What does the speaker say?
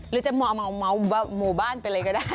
หรือจะเมาหมู่บ้านไปเลยก็ได้